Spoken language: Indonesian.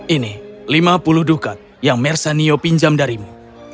ini lima puluh dukat yang mersanio pinjam darimu